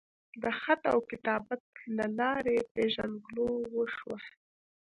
د خط وکتابت لۀ لارې پېژنګلو اوشوه